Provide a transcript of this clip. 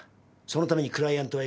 そのためにクライアントはいる。